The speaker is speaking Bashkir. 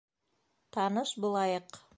Таныш булайыҡ!